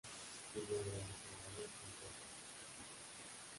Tenía grandes murallas y un puerto.